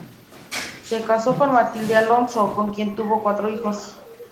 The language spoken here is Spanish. Se casó con Matilde Alonso, con quien tuvo cuatro hijos.